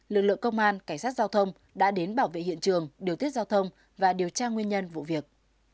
lực lượng công an cảnh sát giao thông đã đến bảo vệ hiện trường điều tiết giao thông và điều tra nguyên nhân vụ việc